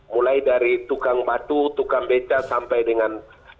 mulai dari tukang batu tukang beca sampai dengan